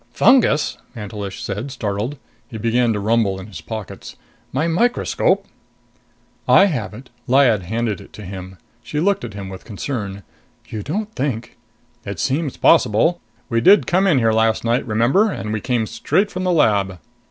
"Fungus!" Mantelish said, startled. He began to rumble in his pockets. "My microscope " "I have it." Lyad handed it to him. She looked at him with concern. "You don't think " "It seems possible. We did come in here last night, remember? And we came straight from the lab."